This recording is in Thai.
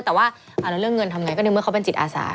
แต่ว่าเรื่องเงินทำยังไงก็ดึงเมื่อเขาเป็นจิตอาสา